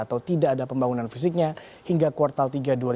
atau tidak ada pembangunan fisiknya hingga kuartal tiga dua ribu dua puluh